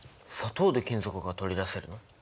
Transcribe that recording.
砂糖で金属が取り出せるの？